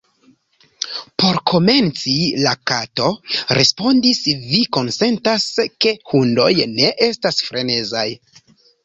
"Por komenci," la Kato respondis, "vi konsentas ke hundoj ne estas frenezaj?"